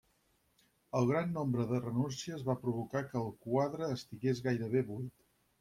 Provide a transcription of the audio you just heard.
El gran nombre de renúncies va provocar que el quadre estigués gairebé buit.